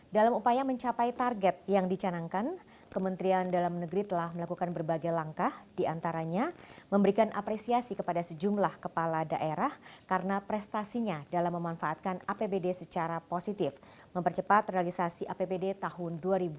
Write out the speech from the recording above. dalam upaya mencapai target yang dicanangkan kementerian dalam negeri telah melakukan berbagai langkah diantaranya memberikan apresiasi kepada sejumlah kepala daerah karena prestasinya dalam memanfaatkan apbd secara positif mempercepat realisasi apbd tahun dua ribu dua puluh